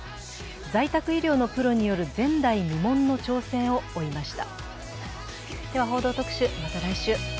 在宅医療のプロによる前代未聞の挑戦を追いました。